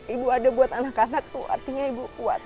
ibu ada buat anak anak tuh artinya ibu kuat